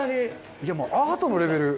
いやもうアートのレベル！